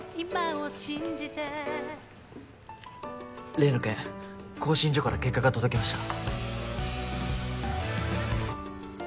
例の件興信所から結果が届きました。